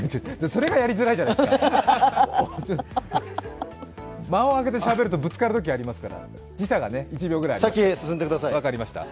それがやりづらいじゃないですか、間をあけてしゃべるとぶつかることがありますから、時差が１秒ぐらいありますから。